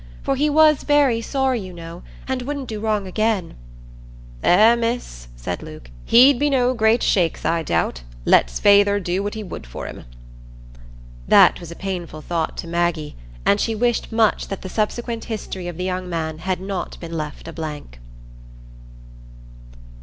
"For he was very sorry, you know, and wouldn't do wrong again." "Eh, Miss," said Luke, "he'd be no great shakes, I doubt, let's feyther do what he would for him." That was a painful thought to Maggie, and she wished much that the subsequent history of the young man had not been left a blank.